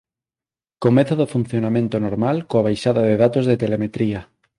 Comezo do funcionamento normal coa baixada de datos de telemetría.